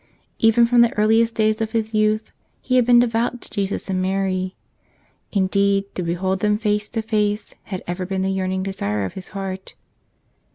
Even from the earliest days of his youth he had been devout to Jesus and Mary. Indeed, to behold them face to face had ever been the yearning desire of his heart.